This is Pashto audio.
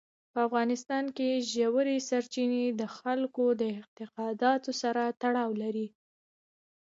په افغانستان کې ژورې سرچینې د خلکو د اعتقاداتو سره تړاو لري.